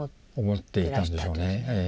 思っていたんでしょうね。